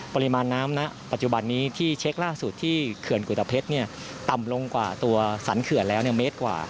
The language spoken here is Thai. ปริมาณน้ำณปัจจุบันนี้ที่เช็คล่าสุดที่เขื่อนกุตเพชรต่ำลงกว่าตัวสรรเขื่อนแล้วเมตรกว่า